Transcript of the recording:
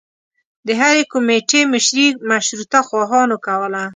د هرې کومیټي مشري مشروطه خواهانو کوله.